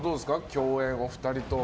共演、お二人と。